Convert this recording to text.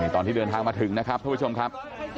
ตอนที่เดินทางมาถึงนะครับทุกผู้ชมครับ